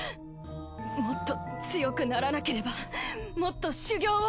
もっと強くならなければもっと修業を！